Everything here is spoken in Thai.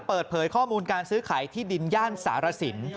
เปิดเผยข้อมูลการซื้อขายที่ดินย่านสารสิน